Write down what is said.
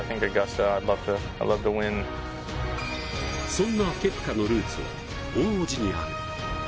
そんなケプカのルーツは大叔父にある。